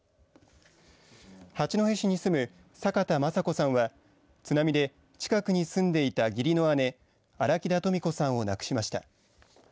八戸市に住む坂田征子さんは津波で近くに住んでいた義理の姉荒木田トミ子さんを亡くしました。